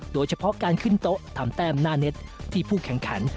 โดยเฉพาะการขึ้นโต๊ะทำแต้มหน้าเน็ตที่ผู้แข่งขัน